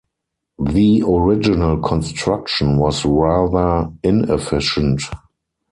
The original construction was rather inefficient.